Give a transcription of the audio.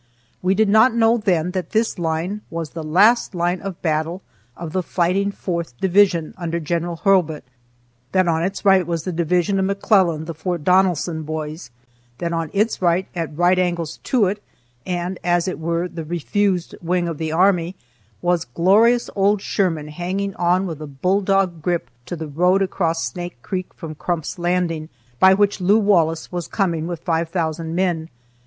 We did not know then that this line was the last line of battle of the "Fighting Fourth Division" under General Hurlbut; that on its right was the division of McClernand, the Fort Donelson boys; that on its right, at right angles to it, and, as it were, the refused wing of the army, was glorious old Sherman, hanging on with a bulldog grip to the road across Snake Creek from Crump's Landing by which Lew Wallace was coming with 5,000 men.